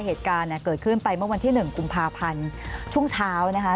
เหตุการณ์เนี่ยเกิดขึ้นไปเมื่อวันที่๑กุมภาพันธ์ช่วงเช้านะคะ